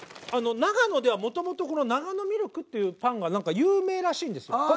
長野ではもともとこの長野ミルクっていうパンが何か有名らしいんですよ。